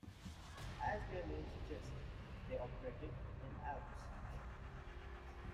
As their name suggests, they operated in the Alps.